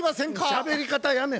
しゃべり方やめ！